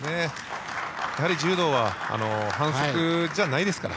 やはり柔道は反則じゃないですから。